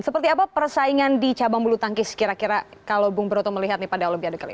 seperti apa persaingan di cabang bulu tangkis kira kira kalau bung broto melihat nih pada olimpiade kali ini